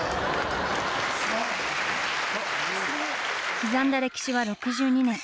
刻んだ歴史は６２年。